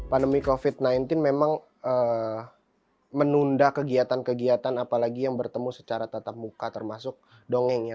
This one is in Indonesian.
pandemi covid sembilan belas memang menunda kegiatan kegiatan apalagi yang bertemu secara tatap muka termasuk dongeng ya